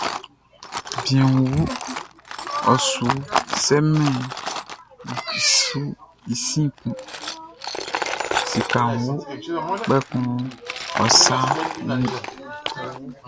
Bianʼn wu, ɔ su sɛmɛn i sin kun; sikaʼn wu, kpɛkun ɔ sa sin.